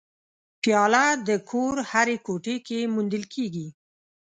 پیاله د کور هرې کوټې کې موندل کېږي.